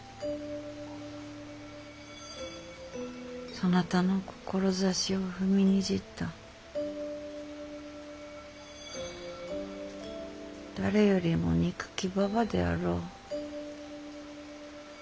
そなたの志を踏みにじった誰よりも憎きババであろう。